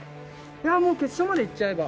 いやもう決勝までいっちゃえば。